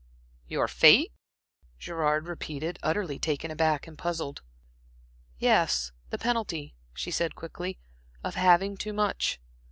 "Your fate?" Gerard repeated, utterly taken aback and puzzled. "Yes, the penalty," she said, quickly "of having too much.